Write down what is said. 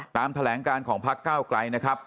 ตามแถลงการของพักก้าวกลายนะครับ